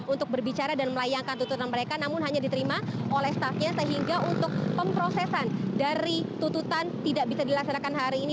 untuk berbicara dan melayangkan tututan mereka namun hanya diterima oleh staffnya sehingga untuk pemprosesan dari tututan tidak bisa dilaksanakan hari ini